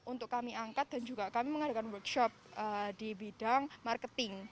untuk kami angkat dan juga kami mengadakan workshop di bidang marketing